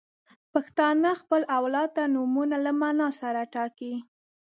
• پښتانه خپل اولاد ته نومونه له معنا سره ټاکي.